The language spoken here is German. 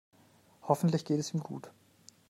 Hoffentlich geht es ihm gut.